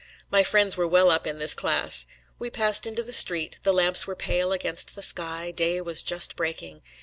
My friends were well up in this class. We passed into the street; the lamps were pale against the sky; day was just breaking.